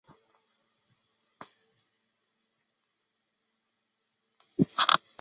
它也用于评估许多药物传输应用并表现出对化学疗法中抗药癌症的敏感性。